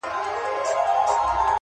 • د ونو سیوري تاریک کړی وو ,